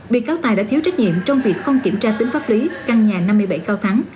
bị cáo tài đã thiếu trách nhiệm trong việc không kiểm tra tính pháp lý căn nhà năm mươi bảy cao thắng